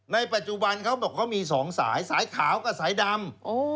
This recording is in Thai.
ในปัจจุบันเขาบอกเขามี๒สายสายขาวกับสายดำ